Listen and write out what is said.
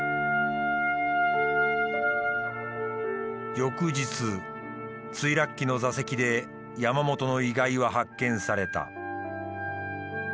翌日墜落機の座席で山本の遺骸は発見された。